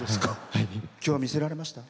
きょう見せられました？